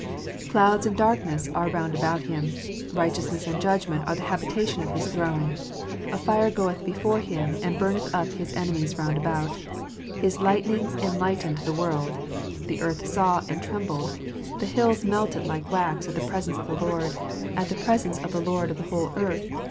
Clouds and darkness are round about Him : righteousness and judgment are the habitation of His throne. A fire goeth before Him, and burneth up His enemies round about. His lightnings enlightened the world : the earth saw, and trembled. The hills melted like wax at the presence of the Lord, at the presence of the Lord of the whole earth.